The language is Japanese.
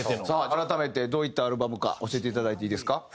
さあ改めてどういったアルバムか教えていただいていいですか？